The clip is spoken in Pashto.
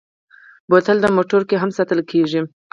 بوتل د موټرو کې هم ساتل کېږي.